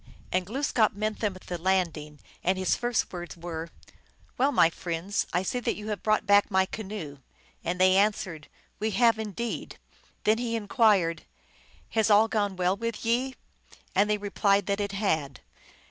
And Glooskap met them at the landing, and his first words were, " Well, my friends, I see that you have brought back my canoe." And they answered, " We have, indeed." Then he inquired, " Has all gone well with ye ?" And they replied that it had.